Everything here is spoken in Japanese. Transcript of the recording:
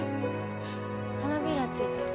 花びら付いてる。